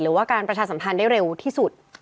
หรือว่าการประชาสัมพันธ์ได้เร็วที่สุด